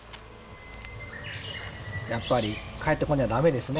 やっぱり帰ってこにゃダメですね